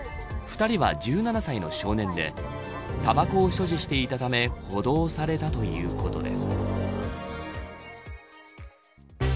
２人は１７歳の少年でたばこを所持していたため補導されたということです。